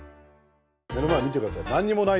目の前見て下さい。